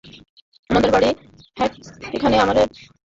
আমাদের বাড়ি হ্যাঁম্পস্টেডে, এখানে আমরাই প্রথম ভারতীয় পরিবার।